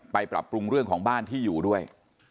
ปรับปรุงเรื่องของบ้านที่อยู่ด้วย